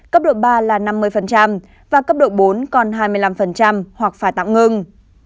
cấp độ ba là năm mươi và cấp độ bốn còn hai mươi năm hoặc phải tạm ngừng